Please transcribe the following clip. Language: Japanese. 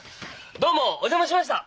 どうもお邪魔しました！